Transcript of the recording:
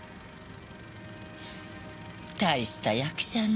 たいした役者ね。